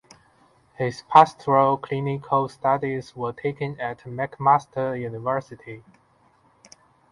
His pastoral clinical studies were taken at McMaster University.